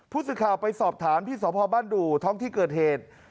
ผู้สื่อข่าวไปสอบถามที่สพบ้านดู่ท้องที่เกิดเหตุ